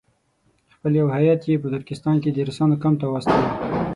خپل یو هیات یې په ترکستان کې د روسانو کمپ ته واستاوه.